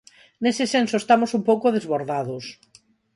Nese senso estamos un pouco desbordados.